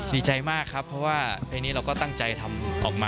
ดีใจมากครับเพราะว่าเพลงนี้เราก็ตั้งใจทำออกมา